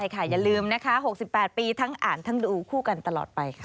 อย่าลืมนะคะ๖๘ปีทั้งอ่านทั้งดูคู่กันตลอดไปค่ะ